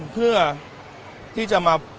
เพื่อที่จะมา